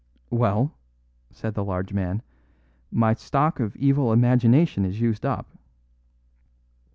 "Well," said the large man, "my stock of evil imagination is used up."